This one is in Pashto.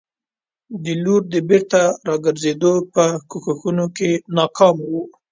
د لور د بېرته راګرزېدو په کوښښونو کې ناکامه وو.